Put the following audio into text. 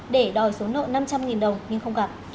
để đòi số nợ năm trăm linh đồng nhưng không gặp